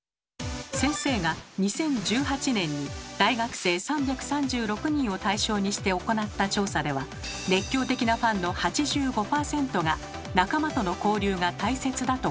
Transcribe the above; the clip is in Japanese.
先生が２０１８年に大学生３３６人を対象にして行った調査では熱狂的なファンの８５％が仲間との交流が大切だと答えました。